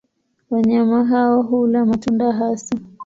Wanyama hao hula matunda hasa.